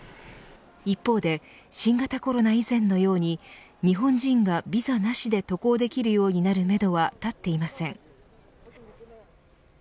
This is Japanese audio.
一方で新型コロナ以前のように日本人がビザなしで渡航できるようになるめどはたっていません。